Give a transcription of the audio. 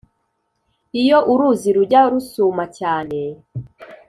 Iyo uruzi rujya rusuma cyane